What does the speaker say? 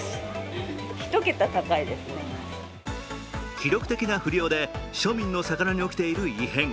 記録的な不漁で庶民の魚に起きている異変。